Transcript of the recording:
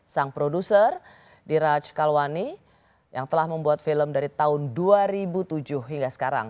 sang produser di raj kalwani yang telah membuat film dari tahun dua ribu tujuh hingga sekarang